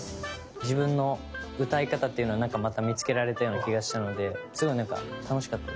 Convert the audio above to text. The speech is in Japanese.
自分の歌い方っていうのをなんかまた見つけられたような気がしたのですごいなんか楽しかったです。